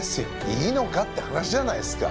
いいのかって話じゃないですか。